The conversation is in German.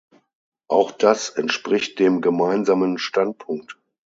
Auch das entspricht dem gemeinsamen Standpunkt.